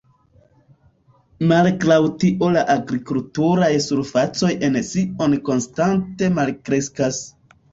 Malgraŭ tio la agrikulturaj surfacoj en Sion konstante malkreskas.